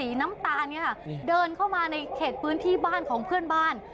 น้ำตาลเนี่ยค่ะเดินเข้ามาในเขตพื้นที่บ้านของเพื่อนบ้าน